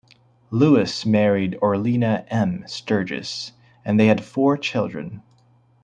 Lewis married Orlina M. Sturgis and they had four children.